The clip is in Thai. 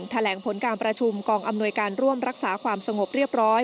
แถลงผลการประชุมกองอำนวยการร่วมรักษาความสงบเรียบร้อย